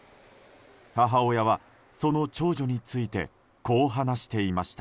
母親は、その長女についてこう話していました。